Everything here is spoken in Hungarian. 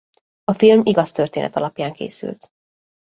A film igaz történet alapján készült.